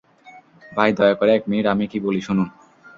ভাই, দয়া করে এক মিনিট আমি কী বলি শুনুন।